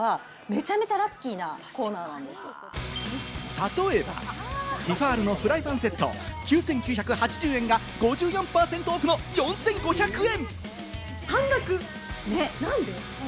例えば、ティファールのフライパンセット９９８０円が５４％オフの４５００円。